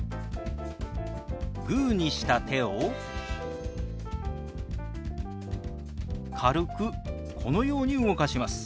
グーにした手を軽くこのように動かします。